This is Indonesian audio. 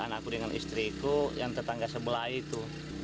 anakku dengan istriku yang tetangga sebelah itu